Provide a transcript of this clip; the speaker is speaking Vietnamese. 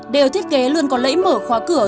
đều thiết kế luôn có lấy mở khóa cửa